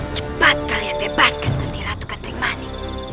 cepat kalian bebaskan kusti ratu ketrik mani